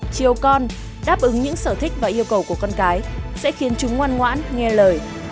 chiều con đáp ứng những sở thích và yêu cầu của con cái sẽ khiến chúng ngoan ngoãn nghe lời